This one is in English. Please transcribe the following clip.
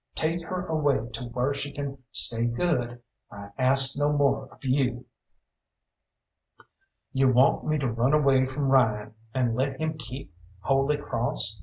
Take her away to whar she can stay good I ask no more of you." "You want me to run away from Ryan, and let him keep Holy Cross?